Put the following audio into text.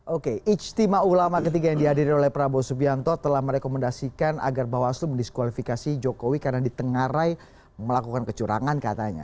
oke ijtima ulama ketiga yang dihadiri oleh prabowo subianto telah merekomendasikan agar bawaslu mendiskualifikasi jokowi karena ditengarai melakukan kecurangan katanya